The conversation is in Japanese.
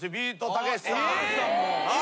たけしさん！？